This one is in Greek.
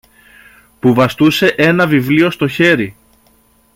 που βαστούσε ένα βιβλίο στο χέρι.